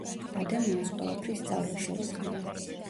ადამიანს ყველაფრის სწავლა შეუძლია.